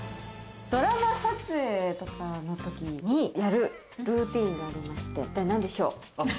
ドラマ撮影とかの時にするルーティンがございまして、一体何でしょう？